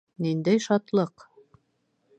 Ниндәй шатлыҡ!